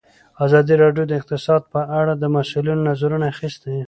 ازادي راډیو د اقتصاد په اړه د مسؤلینو نظرونه اخیستي.